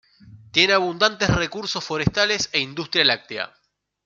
Tiene abundantes recursos forestales e industria láctea.